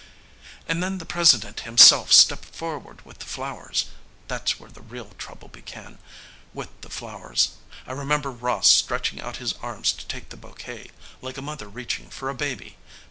"And then the President himself stepped forward with the flowers. That's where the real trouble began, with the flowers. I remember Ross stretching out his arms to take the bouquet, like a mother reaching for a baby.